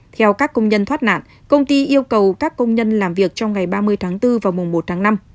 theo các công nhân thoát nạn công ty yêu cầu các công nhân làm việc trong ngày ba mươi tháng bốn và mùa một tháng năm